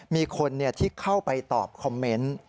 มีคนที่เข้าไปตอบคอมเมนต์